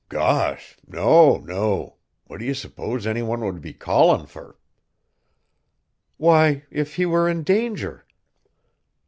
"Gosh! no, no. What do ye suppose any one would be callin' fur?" "Why, if he were in danger."